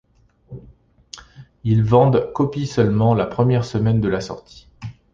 Ils vendent copies seulement la première semaine de la sortie.